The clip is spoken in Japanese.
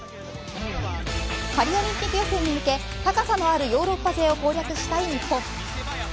パリオリンピック予選に向け高さのあるヨーロッパ勢を攻略したい日本。